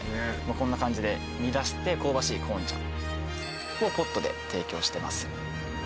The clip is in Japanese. こんな感じで煮出して香ばしいコーン茶をポットで提供してます